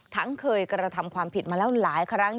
เคยกระทำความผิดมาแล้วหลายครั้ง